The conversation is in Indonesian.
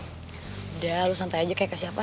udah lo santai aja kayak kasih apa